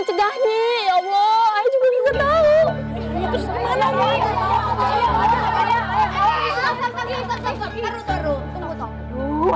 cegahnya ya allah aja gue tahu ini terus mana nih